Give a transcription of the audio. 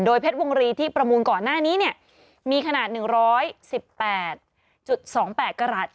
เพชรวงรีที่ประมูลก่อนหน้านี้เนี่ยมีขนาด๑๑๘๒๘กรัฐ